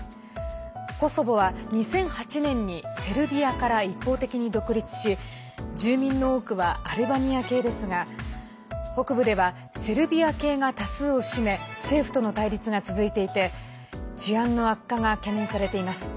コソボは２００８年にセルビアから一方的に独立し住民の多くはアルバニア系ですが北部ではセルビア系が多数を占め政府との対立が続いていて治安の悪化が懸念されています。